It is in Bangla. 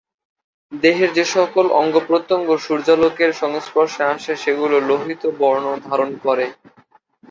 দেহের যে সকল অঙ্গ-প্রত্যঙ্গ সূর্যালোকের সংস্পর্শে আসে সেগুলো লোহিত বর্ণ ধারণ করে।